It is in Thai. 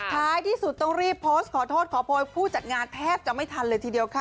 ท้ายที่สุดต้องรีบโพสต์ขอโทษขอโพยผู้จัดงานแทบจะไม่ทันเลยทีเดียวค่ะ